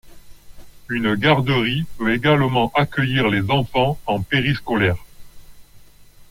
Une garderie peut également accueillir les enfants en péri-scolaire.